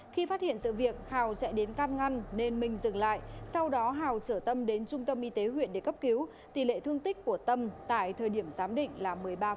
khi phát hiện sự việc hào chạy đến can ngăn nên minh dừng lại sau đó hào trở tâm đến trung tâm y tế huyện để cấp cứu tỷ lệ thương tích của tâm tại thời điểm giám định là một mươi ba